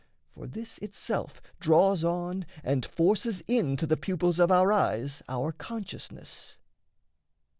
For this itself draws on And forces into the pupils of our eyes Our consciousness.